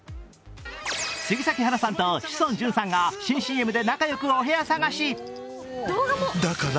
杉咲花さんと志尊淳さんが新ＣＭで仲よくお部屋探し。